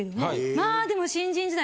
まあでも新人時代